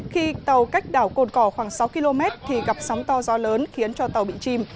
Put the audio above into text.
khi tàu cách đảo cồn cò khoảng sáu km thì gặp sóng to gió lớn khiến cho tàu bị chìm